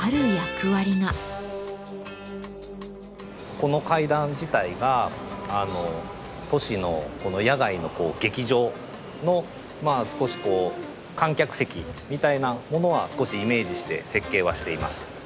この階段自体が都市の野外の劇場の少しこう観客席みたいなものは少しイメージして設計はしています。